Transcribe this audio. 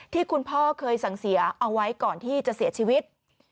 ที่คุณพ่อเคยสั่งเสียเอาไว้ก่อนที่จะเสียชีวิต